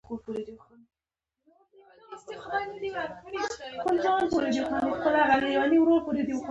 د سراى په منځ کښې يوه دوکانچه جوړه وه.